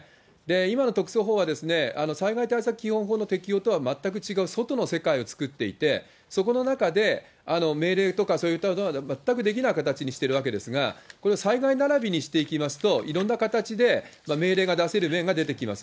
今の特措法は、災害対策基本法の適用とは全く違う外の世界を作っていて、そこの中で命令とかそういったことが全くできない形にしているわけですが、これを災害並びにしていきますと、いろんな形で命令が出せる面が出てきます。